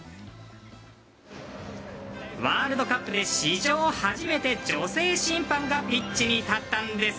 ワールドカップで史上初めて女性審判がピッチに立ったんです！